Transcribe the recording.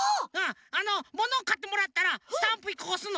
あのものをかってもらったらスタンプ１こおすの。